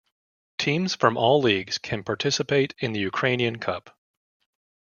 Teams from all leagues can participate in the Ukrainian Cup.